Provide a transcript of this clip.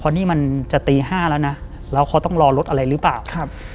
เพราะนี่มันจะตีห้าแล้วนะแล้วเขาต้องรอรถอะไรหรือเปล่าครับ